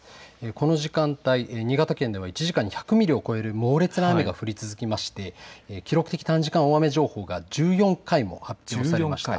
この時間帯、新潟県では１時間に１００ミリを超える猛烈な雨が降り続きまして記録的短時間大雨情報が１４回も発表されました。